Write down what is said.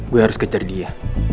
gue harus kejar dia